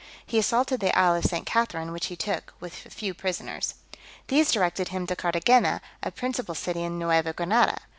He assaulted the isle of St. Catherine, which he took, with a few prisoners. These directed him to Carthagena, a principal city in Neuva Granada.